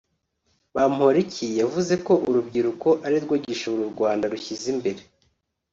Bamporiki yavuze ko urubyiruko ari rwo gishoro u Rwanda rushyize imbere